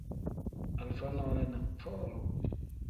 Alifa nole ni folu.